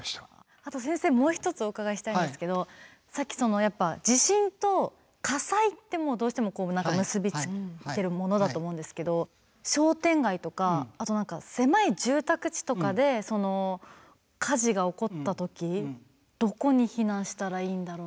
あと先生もう一つお伺いしたいんですけどさっきそのやっぱ地震と火災ってどうしても結び付いてるものだと思うんですけど商店街とかあと何か狭い住宅地とかで火事が起こった時どこに避難したらいいんだろうか。